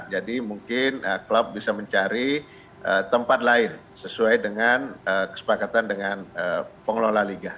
jadi mungkin klub bisa mencari tempat lain sesuai dengan kesepakatan dengan pengelola liga